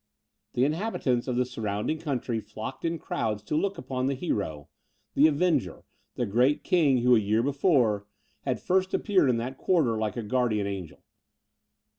The inhabitants of the surrounding country flocked in crowds to look upon the hero, the avenger, the great king, who, a year before, had first appeared in that quarter, like a guardian angel.